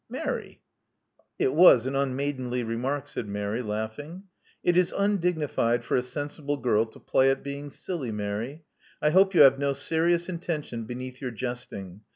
•*Mary!" It was an unmaidenly remark," said Mary, laughing. *'It is undignified for a sensible girl to play at being silly, Mary. I hope yqu have no serious intention beneath your jesting.